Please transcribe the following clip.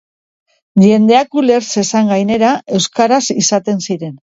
Jendeak uler zezan gainera, euskaraz izaten ziren.